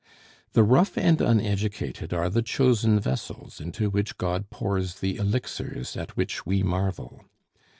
The rough and uneducated are the chosen vessels into which God pours the elixirs at which we marvel.